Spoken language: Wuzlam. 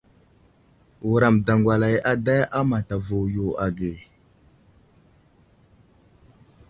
Wuram daŋgwalay ada a matavo yo age.